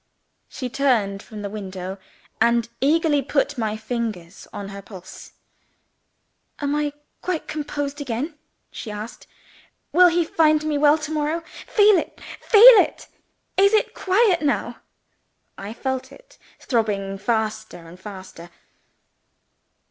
She turned from the window, and eagerly put my fingers on her pulse. "Am I quite composed again?" she asked. "Will he find me well to morrow? Feel it! feel it! Is it quiet now?" I felt it throbbing faster and faster.